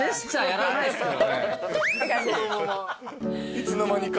いつの間にか？